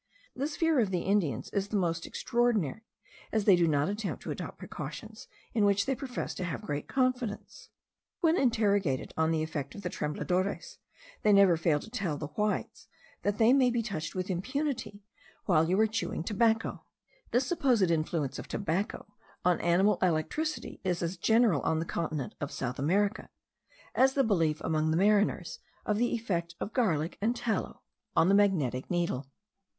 This fear of the Indians is the more extraordinary, as they do not attempt to adopt precautions in which they profess to have great confidence. When interrogated on the effect of the tembladores, they never fail to tell the Whites, that they may be touched with impunity while you are chewing tobacco. This supposed influence of tobacco on animal electricity is as general on the continent of South America, as the belief among mariners of the effect of garlic and tallow on the magnetic needle.